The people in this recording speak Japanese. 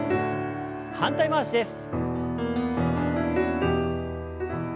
反対回しです。